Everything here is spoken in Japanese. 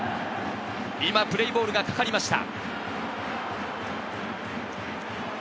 今、プレーボールがかかりました。